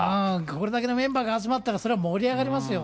これだけのメンバーが集まったら、それは盛り上がりますよ。